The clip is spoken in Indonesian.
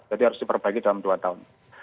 jadi harus diperbaiki dalam dua tahun